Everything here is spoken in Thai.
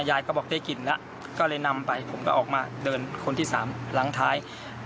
ยายก็บอกได้กลิ่นแล้วก็เลยนำไปผมก็ออกมาเดินคนที่สามหลังท้าย